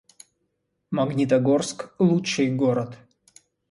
Магнитогорск — лучший город